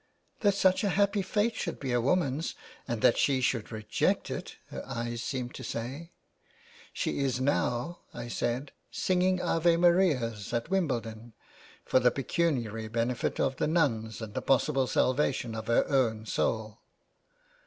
' That such a happy fate should be a woman's and that she should reject it,' her eyes seemed to say. ' She is now/ I said, ' singing Ave Marias at Wimble don for the pecuniary benefit of the nuns and the possible salvation of her own soul.'